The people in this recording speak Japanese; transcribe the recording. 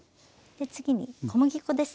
次に小麦粉ですね。